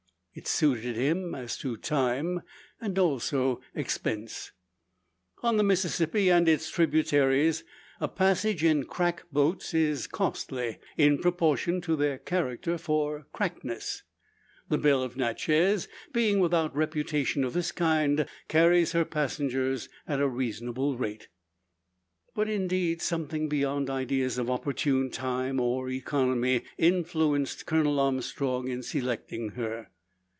It suited him as to time, and also expense. On the Mississippi, and its tributaries, a passage in "crack" boats is costly, in proportion to their character for "crackness." The "Belle of Natchez," being without reputation of this kind, carries her passengers at a reasonable rate. But, indeed, something beyond ideas of opportune time, or economy, influenced Colonel Armstrong in selecting her.